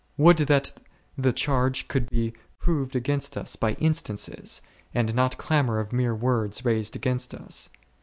Would that the charge could be proved against us by instances, and not clamour of mere words raised against us